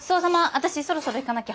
私そろそろ行かなきゃ。